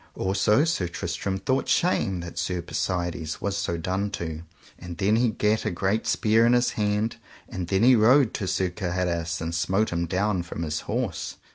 Also Sir Tristram thought shame that Sir Persides was so done to; and then he gat a great spear in his hand, and then he rode to Sir Gaheris and smote him down from his horse.